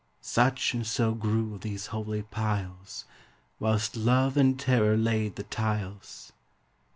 Such and so grew these holy piles, Whilst love and terror laid the tiles.